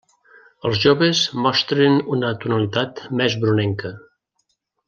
Els joves mostren una tonalitat més brunenca.